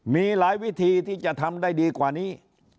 มีหลายวิธีที่จะทำได้ดีกว่านี้